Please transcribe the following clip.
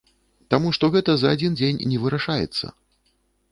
Таму што гэта за адзін дзень не вырашаецца.